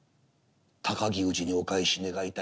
高木氏にお返し願いたい」。